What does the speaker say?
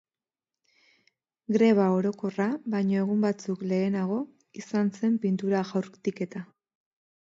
Greba orokorra baino egun batzuk lehenago izan zen pintura jaurtiketa.